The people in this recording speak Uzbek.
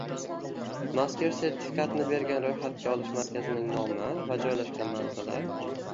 mazkur sertifikatni bergan ro‘yxatga olish markazining nomi va joylashgan manzili;